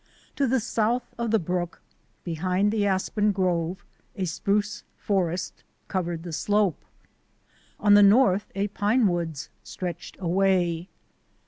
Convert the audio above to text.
To the south of the brook, behind the aspen grove, a spruce forest covered the slope. On the north a pine woods stretched away.